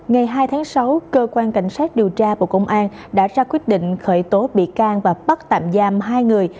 ngày hai tháng sáu cơ quan cảnh sát điều tra bộ công an đã ra quyết định khởi tố bị can và bắt tạm giam hai người